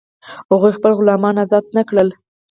هغوی خپل غلامان آزاد نه کړل.